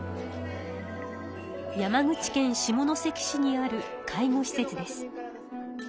山口県下関市にある介護施設です。